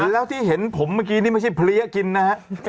แล้วที่เห็นผมเมื่อกี้นี่ไม่ใช่เพลี้ยกินนะฮะ